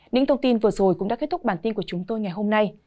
những thông tin vừa rồi cũng đã kết thúc bản tin của chúng tôi ngày hôm nay